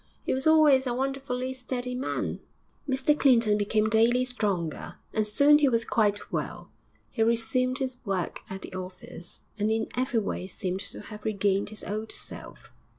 He was always a wonderfully steady man.' VIII Mr Clinton became daily stronger, and soon he was quite well. He resumed his work at the office, and in every way seemed to have regained his old self.